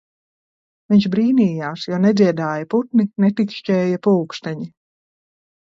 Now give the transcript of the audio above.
Viņš brīnījās, jo nedziedāja putni, netikšķēja pulksteņi.